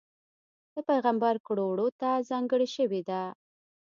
د پېغمبر کړو وړوته ځانګړې شوې ده.